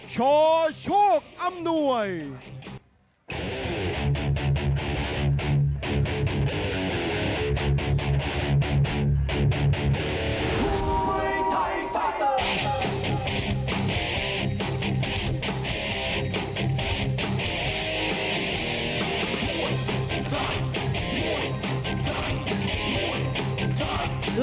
สวัสดีครับท้ายรับมวยไทยไฟเตอร์